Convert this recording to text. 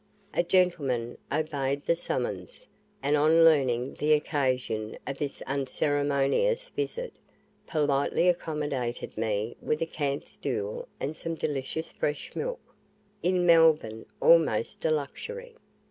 A gentleman obeyed the summons, and on learning the occasion of this unceremonious visit, politely accommodated me with a camp stool and some delicious fresh milk in Melbourne almost a luxury.